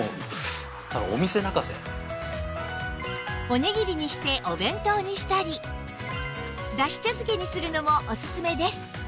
おにぎりにしてお弁当にしたりだし茶漬けにするのもおすすめです